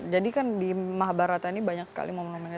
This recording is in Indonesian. jadi kan di mahabharata ini banyak sekali momen momennya